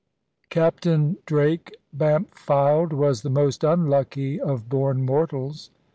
Captain Drake Bampfylde was the most unlucky of born mortals.